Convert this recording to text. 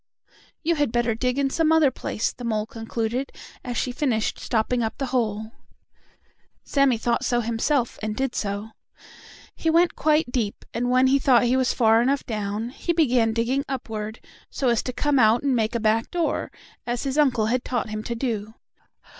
"You had better dig in some other place," the mole concluded, as she finished stopping up the hole. Sammie thought so himself, and did so. He went quite deep, and when he thought he was far enough down, he began digging upward, so as to come out and make a back door, as his uncle had taught him to do.